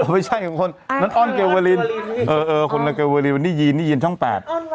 อ๋อไม่ใช่คนนั้นอ้อนเกลวอลินเออเออคนในเกลวอลินนี่ยีนนี่ยีนช่องแปด